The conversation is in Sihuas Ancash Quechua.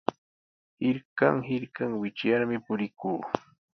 Hirkan hirkan wichyarmi purikuu.